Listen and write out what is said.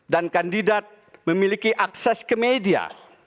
dan kandidat memiliki akses ke media